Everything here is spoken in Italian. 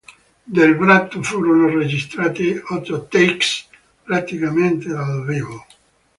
Del brano furono registrate otto "takes", praticamente dal vivo.